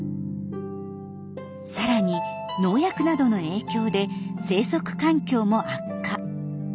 さらに農薬などの影響で生息環境も悪化。